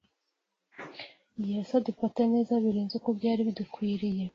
Yesu adufata neza birenze uko byari bidukwiriye